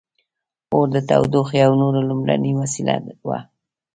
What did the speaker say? • اور د تودوخې او نور لومړنۍ وسیله وه.